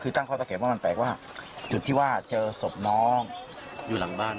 คือตั้งข้อสังเกตว่ามันแปลกว่าจุดที่ว่าเจอศพน้องอยู่หลังบ้าน